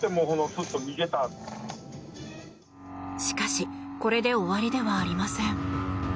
しかしこれで終わりではありません。